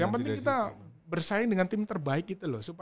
yang penting kita bersaing dengan tim terbaik gitu loh